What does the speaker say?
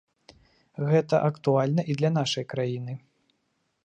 Гэта актуальна і для нашай краіны.